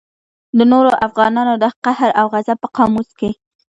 د نورو افغانانو د قهر او غضب په قاموس کې.